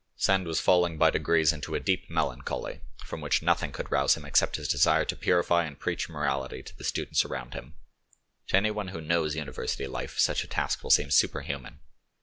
Sand was falling by degrees into a deep melancholy, from which nothing could rouse him except his desire to purify and preach morality to the students around him. To anyone who knows university life such a task will seem superhuman.